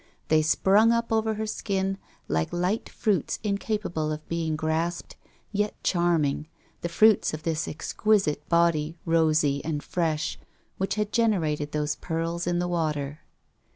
They sprung up over her skin, like light fruits incapable of being grasped yet charming, the fruits of this exquisite body rosy and fresh, which had generated those pearls in the water.